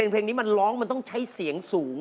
เพลงนี้มันร้องมันต้องใช้เสียงสูง